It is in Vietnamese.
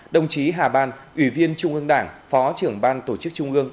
đồng chí hà ban ủy viên trung ương đảng phó trưởng ban tổ chức trung ương